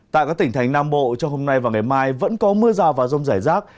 tại các tỉnh thành nam bộ trong hôm nay và ngày mai vẫn có mưa rào và rông rải rác